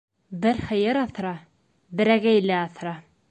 Бер һыйыр аҫра, берәгәйле аҫра.